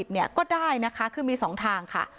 จะเอาผิดก็ได้นะคะคือมีสองทางค่ะ